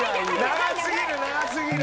長すぎる長すぎる。